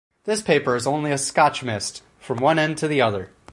This paper is only a Scotch mist from one end to the other.